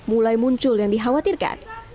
mulai muncul yang dikhawatirkan